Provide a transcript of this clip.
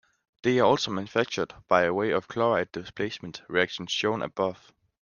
They are also manufactured by way of the chloride displacement reaction shown above.